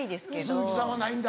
鈴木さんはないんだ。